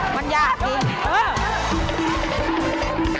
มันยากดี